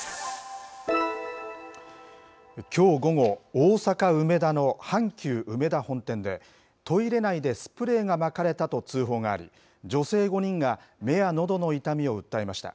きょう午後、大阪・梅田の阪急うめだ本店で、トイレ内でスプレーがまかれたと通報があり、女性５人が目やのどの痛みを訴えました。